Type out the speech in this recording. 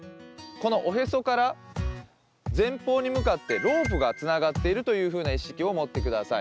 この、おへそから前方に向かってロープがつながっているというふうな意識を持ってください。